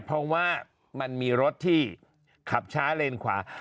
เพราะว่ามันมีรถที่ขับช้าเลนขวา